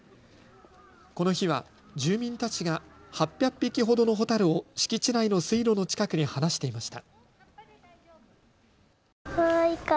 この日は住民たちが８００匹ほどのホタルを敷地内の水路の近くに放していました。